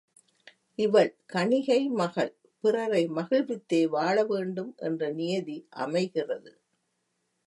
இவள் கணிகை மகள் பிறரை மகிழ்வித்தே வாழ வேண்டும் என்ற நியதி அமைகிறது.